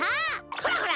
ほらほら